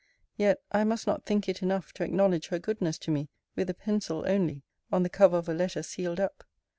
Yet I must not think it enough to acknowledge her goodness to me, with a pencil only, on the cover of a letter sealed up.